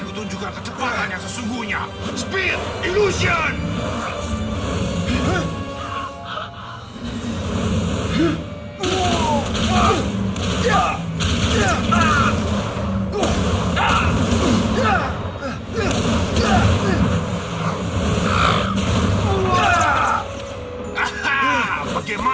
kau maju pun tidak akan berubah pun aku tak menyangka akan semudah ini dimana pak